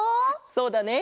そうだね。